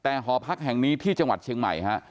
แต่หอพักแห่งนี้ที่จังหวัดเชียงใหม่ฮะ